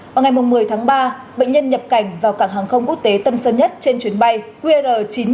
vào ngày một mươi tháng ba bệnh nhân nhập cảnh vào cảng hàng không quốc tế tân sơn nhất trên chuyến bay qr chín trăm bảy mươi